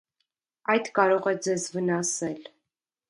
այդ կարող է ձեզ վնասել: